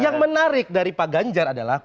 yang menarik dari pak ganjar adalah